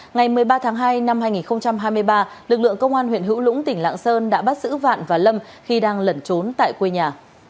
ngày một mươi ba tháng hai năm hai nghìn hai mươi ba lực lượng công an huyện hữu lũng tỉnh lạng sơn đã bắt giữ vạn và lâm khi đang lẩn trốn tại quê nhà